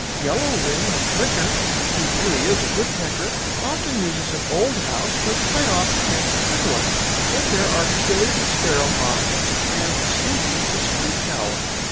Yellow Wing the flicker, who really is a Woodpecker, often uses an old house, but quite often makes a new one. Then there are Killy the Sparrow Hawk and Spooky the Screech Owl."